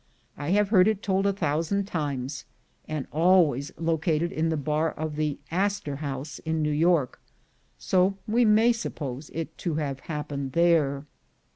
I have heard it told a thousand times, and always located in the bar of the Astor House in New York; so we may suppose it to have happened there.